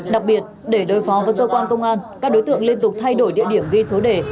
đặc biệt để đối phó với cơ quan công an các đối tượng liên tục thay đổi địa điểm ghi số đề